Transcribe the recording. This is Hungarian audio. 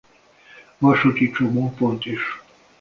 Vasúti csomópont is.